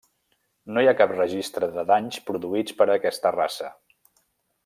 No hi ha cap registre de danys produïts per aquesta raça.